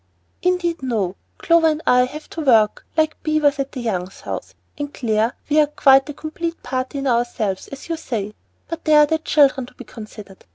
"Indeed, no! Clover and I have to work like beavers on the Youngs' house. And, Clare, we are quite a complete party in ourselves, as you say; but there are the children to be considered.